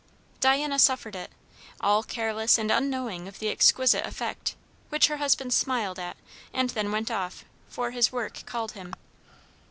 Diana suffered it, all careless and unknowing of the exquisite effect, which her husband smiled at, and then went off; for his work called him.